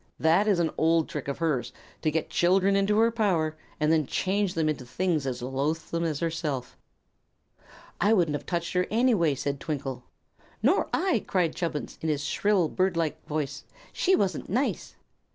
That is an old trick of hers, to get children into her power and then change them into things as loathsome as herself." "I wouldn't have touched her, anyhow," said Twinkle. "Nor I!" cried Chubbins, in his shrill, bird like voice. "She wasn't nice."